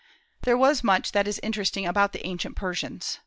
There was much that is interesting about the ancient Persians.